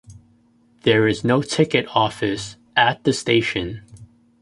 There is no ticket office at the station.